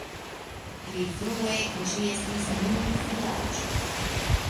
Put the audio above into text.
Pli frue ĝi estis nur vilaĝo.